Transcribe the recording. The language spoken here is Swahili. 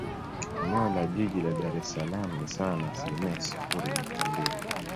Eneo la Jiji la Dar es Salaam ni sawa na asilimia sifuri nukta mbili